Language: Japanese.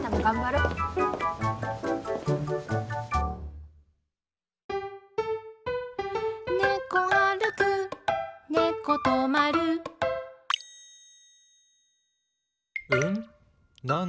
「うん？